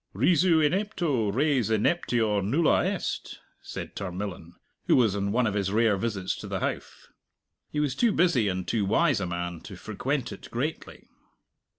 "'Risu inepto res ineptior nulla est,'" said Tarmillan, who was on one of his rare visits to the Howff. He was too busy and too wise a man to frequent it greatly.